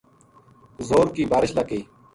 زور کی بارش لگ گئی